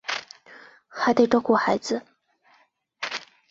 还得照顾孩子